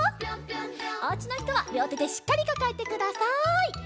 おうちのひとはりょうてでしっかりかかえてください。